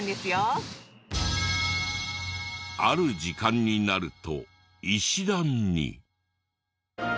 ある時間になると石段に。